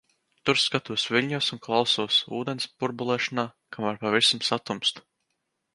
Tur skatos viļņos un klausos ūdens burbulēšanā, kamēr pavisam satumst.